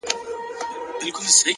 پوهه د انسان تلپاتې ملګرې ده؛